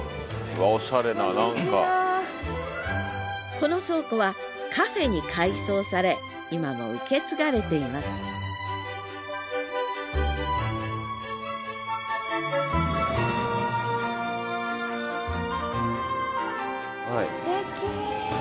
この倉庫はカフェに改装され今も受け継がれていますステキ。